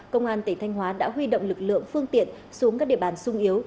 công an tỉnh thanh hóa đã huy động lực lượng phương tiện xuống các địa bàn sung yếu